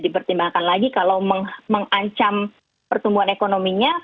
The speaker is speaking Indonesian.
dipertimbangkan lagi kalau mengancam pertumbuhan ekonominya